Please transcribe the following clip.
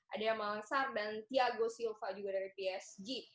ada yama langsar dan thiago silva juga dari psg